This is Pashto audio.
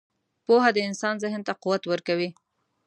• پوهه د انسان ذهن ته قوت ورکوي.